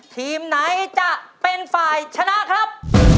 ทีมไหนจะเป็นฝ่ายชนะครับ